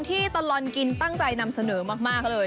ตลอดกินตั้งใจนำเสนอมากเลย